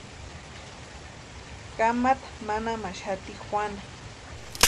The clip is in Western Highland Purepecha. Kamata manamaxati Juana.